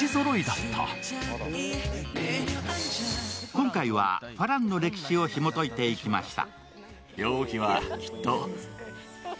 今回は花郎の歴史をひもといていきました。